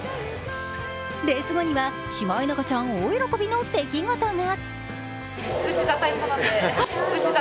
レース後にはシマエナガちゃん大喜びの出来事が。